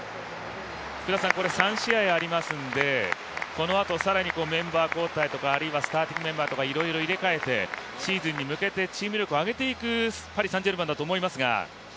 ３試合ありますのでこのあと更にメンバー交代とかあるいはスターティングメンバーとかいろいろ入れ替えて、シーズンに向けてチーム力を上げていくサンジェルマンだと思うんですが。